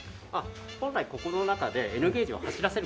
本来ここの中でＮゲージを走らせる事が。